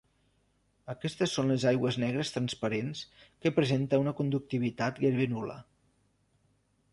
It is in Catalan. Aquestes són les aigües negres transparents que presenten una conductivitat gairebé nul·la.